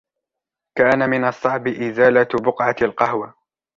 كان من الصعب إزالة بقعة القهوة.